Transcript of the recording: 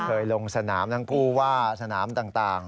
เคยลงสนามทั้งผู้ว่าสนามต่าง